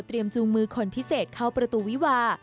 จูงมือคนพิเศษเข้าประตูวิวา